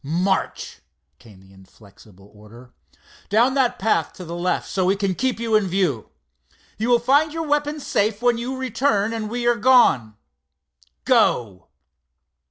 "March," came the inflexible order. "Down that path to the left, so we can keep you in view. You will find your weapons safe when you return and we are gone. Go!"